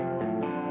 aku mau ke rumah